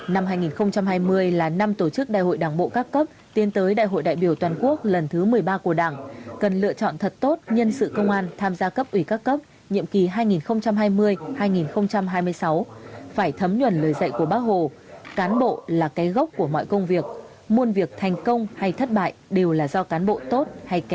năm hai nghìn hai mươi là năm tổ chức đại hội đảng bộ các cấp tiến tới đại hội đại biểu toàn quốc lần thứ một mươi ba của đảng cần lựa chọn thật tốt nhân sự công an tham gia cấp ủy các cấp nhiệm kỳ hai nghìn hai mươi hai nghìn hai mươi sáu phải thấm nhuận lời dạy của bác hồ cán bộ là cái gốc của mọi công việc muôn việc thành công hay thất bại đều là do cán bộ tốt